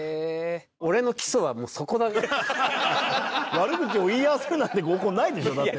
悪口を言い合わせるなんて合コンないでしょだって。